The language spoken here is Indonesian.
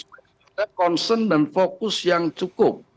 kita concern dan fokus yang cukup